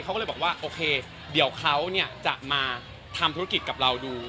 เขาก็เลยบอกว่าโอเคเดี๋ยวเขาจะมาทำธุรกิจกับเราดู